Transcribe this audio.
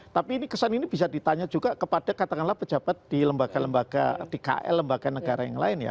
tapi ini kesan ini bisa ditanya juga kepada katakanlah pejabat di lembaga lembaga di kl lembaga negara yang lain ya